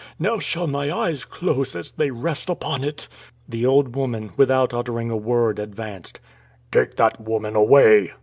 Now shall my eyes close as they rest upon it...!" The old woman, without uttering a word, advanced. "Take that woman away!"